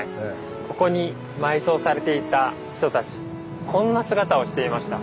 ここに埋葬されていた人たちこんな姿をしていました。